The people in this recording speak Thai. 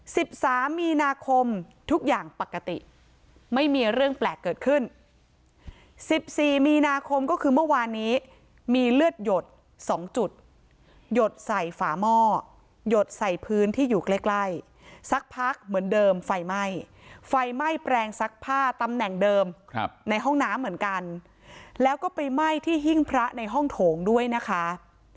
สิบสามมีนาคมทุกอย่างปกติไม่มีเรื่องแปลกเกิดขึ้นสิบสี่มีนาคมก็คือเมื่อวานนี้มีเลือดหยดสองจุดหยดใส่ฝาหม้อยหยดใส่พื้นที่อยู่ใกล้ใกล้สักพักเหมือนเดิมไฟไหม้ไฟไหม้แปลงซักผ้าตำแหน่งเดิมครับในห้องน้ำเหมือนกันแล้วก็ไปไหม้ที่หิ้งพระในห้องโถงด้วยนะคะ